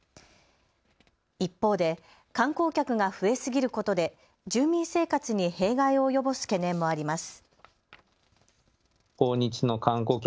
一方で観光客が増えすぎることで住民生活に弊害を及ぼす懸念もあります。